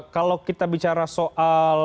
kalau kita bicara soal